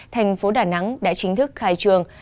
thành phố đà nẵng đã chính thức khai trường